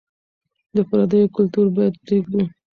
د پرديو کلتور بايد پرېږدو.